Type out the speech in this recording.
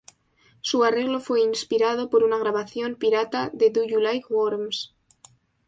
Su arreglo fue inspirado por una grabación pirata de "Do You Like Worms?